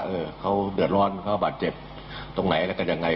ดูแลที่ว่าเออเขาเดือดร้อนเขาบาดเจ็บตรงไหนและกันยังไง